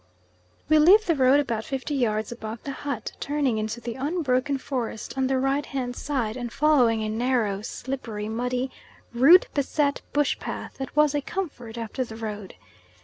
We leave the road about fifty yards above the hut, turning into the unbroken forest on the right hand side, and following a narrow, slippery, muddy, root beset bush path that was a comfort after the road.